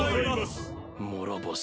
諸星